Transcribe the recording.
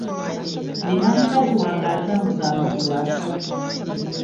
Nina mukazi wange atambuza amagulu asatu.